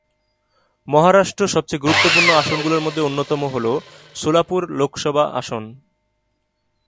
মহারাষ্ট্র সবচেয়ে গুরুত্বপূর্ণ আসনগুলির মধ্যে অন্যতম হল সোলাপুর লোকসভা আসন।